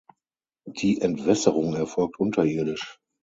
Die Entwässerung erfolgt unterirdisch.